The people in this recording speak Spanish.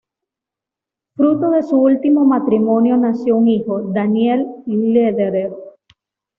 Fruto de su último matrimonio nació un hijo, Daniel Lederer.